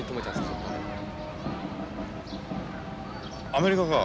アメリカか。